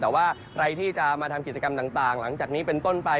แต่ว่าใครที่จะมาทำกิจกรรมต่างหลังจากนี้เป็นต้นไป